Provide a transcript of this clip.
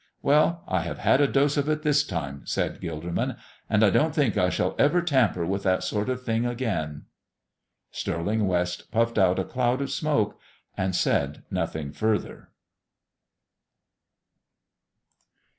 "Well, I have had a dose of it this time," said Gilderman, "and I don't think I shall ever tamper with that sort of thing again." Stirling West puffed out a cloud of smoke and said nothing further.